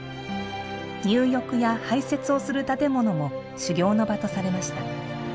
入浴や排せつをする建物も修行の場とされました。